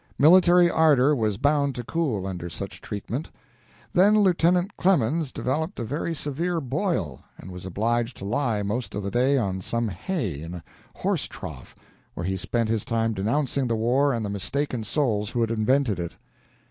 Military ardor was bound to cool under such treatment. Then Lieutenant Clemens developed a very severe boil, and was obliged to lie most of the day on some hay in a horse trough, where he spent his time denouncing the war and the mistaken souls who had invented it.